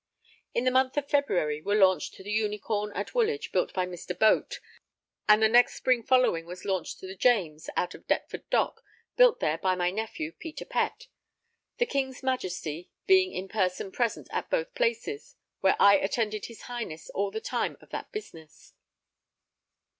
In the month of February were launched the Unicorn at Woolwich, built by Mr. Boate, and the next spring following was launched the James out of Deptford Dock, built there by my nephew, Peter Pett; the King's Majesty being in person present at both places, where I attended his Highness all the time of that business.